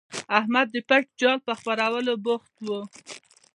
احمد د پټ جال په خپرولو بوخت وو.